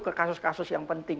ke kasus kasus yang penting